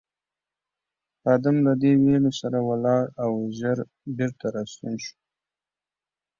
خادم له دې ویلو سره ولاړ او ژر بېرته راستون شو.